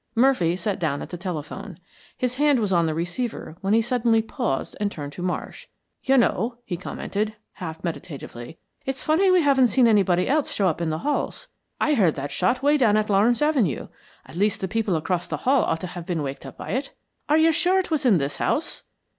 Murphy sat down at the telephone. His hand was on the receiver when he suddenly paused and turned to Marsh. "You know," he commented, half meditatively, "it's funny we haven't seen anybody else show up in the halls. I heard that shot way down at Lawrence Avenue. At least the people across the hall ought to have been waked up by it. Are you sure it was in this house?"